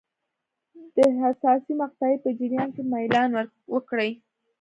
د حساسې مقطعې په جریان کې میلان وکړي.